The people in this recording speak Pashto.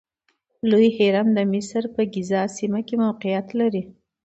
لوی هرم د مصر په ګیزا سیمه کې موقعیت لري.